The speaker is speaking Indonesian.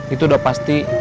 itu udah pasti